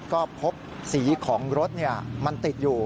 ก็พบสีของรถมันติดอยู่